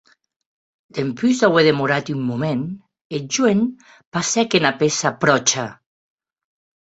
Dempús d’auer demorat un moment, eth joen passèc ena pèça pròcha.